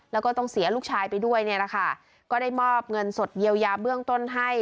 แล้วก็ต้องเสียลูกชายไปด้วยเนี่ยแหละค่ะก็ได้มอบเงินสดเยียวยาเบื้องต้นให้